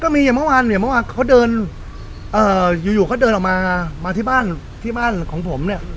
มีอย่างเมื่อวานเนี่ยเมื่อวานเขาเดินอยู่เขาเดินออกมามาที่บ้านที่บ้านของผมเนี่ย